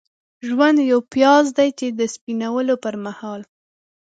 ژوند یو پیاز دی چې د سپینولو پرمهال.